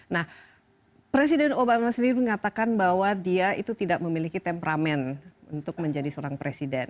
nah presiden obama sendiri mengatakan bahwa dia itu tidak memiliki temperamen untuk menjadi seorang presiden